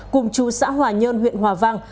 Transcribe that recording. cùng chú xã hòa nhơn huyện hòa văn